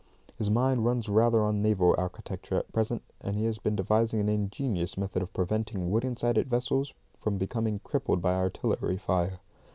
His mind runs rather on naval architecture at present, and he has been devising an ingenious method of preventing wooden sided vessels from being crippled by artillery fire.